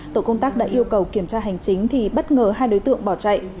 tổ công tác đã yêu cầu kiểm tra hành chính thì bất ngờ hai đối tượng bỏ chạy